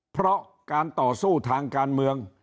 เพราะการต่อสู้ทางการเมือง